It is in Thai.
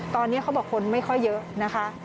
ตอนนี้เขาบอกคนไม่ค่อยเยอะนะคะ